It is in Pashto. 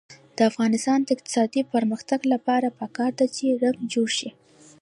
د افغانستان د اقتصادي پرمختګ لپاره پکار ده چې رنګ جوړ شي.